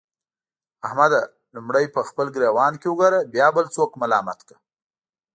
احمده! لومړی په خپل ګرېوان کې وګوره؛ بيا بل څوک ملامت کړه.